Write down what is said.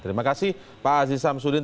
terima kasih pak aziz samsudin